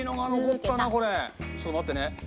ちょっと待ってね。